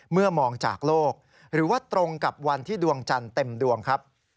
เมื่อมองจากโลกหรือว่าตรงกับวันที่ดวงจันทร์เต็มดวงครับ